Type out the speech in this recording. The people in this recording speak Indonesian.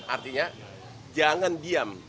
artinya jangan diam